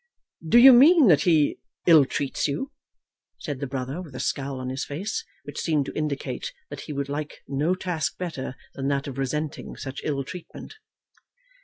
"Do you mean that he, ill treats you?" said the brother, with a scowl on his face which seemed to indicate that he would like no task better than that of resenting such ill treatment.